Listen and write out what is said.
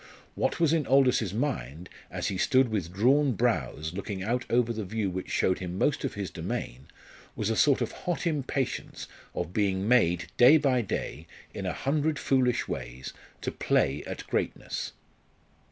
What was in Aldous's mind, as he stood with drawn brows looking out over the view which showed him most of his domain, was a sort of hot impatience of being made day by day, in a hundred foolish ways, to play at greatness.